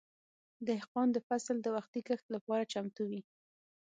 دهقان د فصل د وختي کښت لپاره چمتو وي.